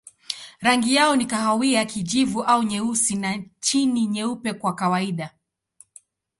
Rangi yao ni kahawia, kijivu au nyeusi na chini nyeupe kwa kawaida.